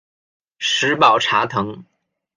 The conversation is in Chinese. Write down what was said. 石宝茶藤